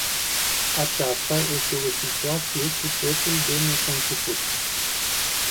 Aceasta este o situație cu totul de neconceput.